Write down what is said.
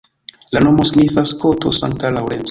La nomo signifas koto-Sankta Laŭrenco.